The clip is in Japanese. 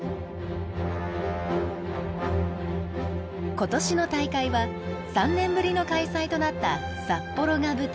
今年の大会は３年ぶりの開催となった札幌が舞台。